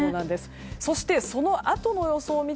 そして、そのあとの予想